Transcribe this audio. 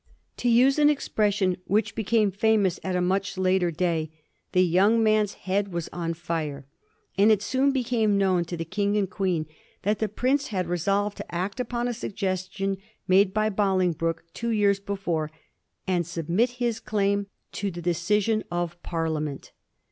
To use an expression which became famous at a much later day, '' the young man's head was on fire," and it soon be came known to the King and Queen that the prince had resolved to act upon a suggestion made by Bolingbroke two years before, and submit his claim to the decision of Parliament.